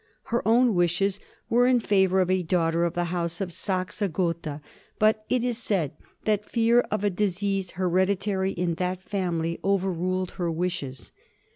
Her own wishes were in favor of a daughter of the House of Saxe Gotha, but it is said that fear of a disease hereditary in the family overruled her wishes.